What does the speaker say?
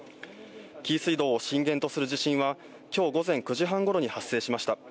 紀伊水道を震源とする地震は、きょう午前９時半ごろに発生しました。